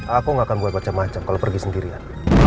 aku gak akan buat macam macam kalau pergi sendirian